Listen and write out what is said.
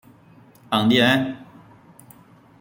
昂蒂安。